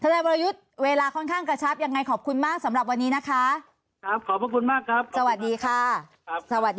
ไม่กังวลหรอกครับไม่กังวลเลยฮะ